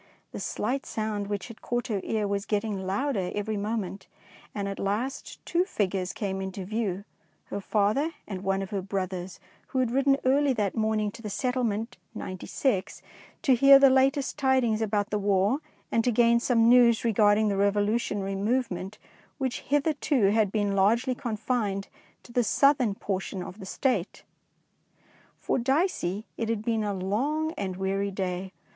The slight sound which had caught her ear was getting louder every moment, and at last two figures came into view, her father and one of her brothers, who had ridden early that morning to the settlement "Ninety six" to hear the latest tidings about the War, and to gain some news regarding the revolutionary movement which hitherto had been largely confined to the southern portion of the State. For Dicey it had been a long and weary day.